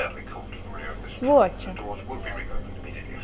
Svuoča.